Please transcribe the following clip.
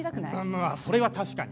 まあそれは確かに。